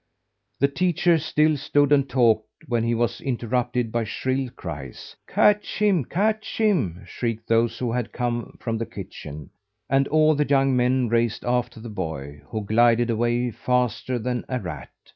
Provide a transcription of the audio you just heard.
The teacher still stood and talked when he was interrupted by shrill cries. "Catch him, catch him!" shrieked those who had come from the kitchen; and all the young men raced after the boy, who glided away faster than a rat.